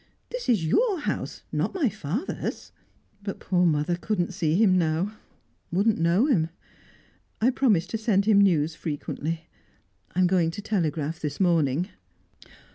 This is your house, not my father's!" "But poor mother couldn't see him now wouldn't know him. I promised to send him news frequently. I'm going to telegraph this morning."